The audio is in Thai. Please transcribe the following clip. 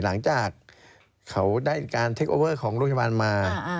หลังจากเขาได้การเทคโอเวอร์ของโรงพยาบาลมา